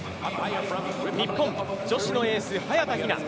日本女子のエース・早田ひな。